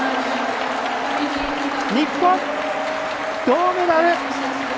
日本、銅メダル！